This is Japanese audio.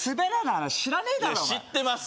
お前知ってます